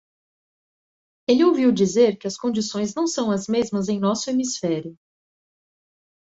Ele ouviu dizer que as condições não são as mesmas em nosso hemisfério.